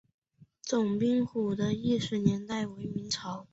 总兵府的历史年代为明代。